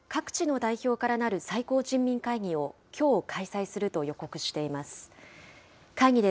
北朝鮮は、各地の代表からなる最高人民会議をきょう開催すると予告しています。